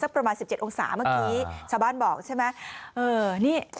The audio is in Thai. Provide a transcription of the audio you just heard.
ประมาณ๑๗องศาเมื่อกี้ชาวบ้านบอกใช่ไหม